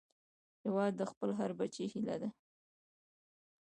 هیواد د خپل هر بچي هيله ده